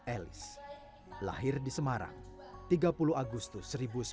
elis lahir di semarang tiga puluh agustus seribu sembilan ratus sembilan puluh